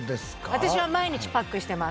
私は毎日パックしてます。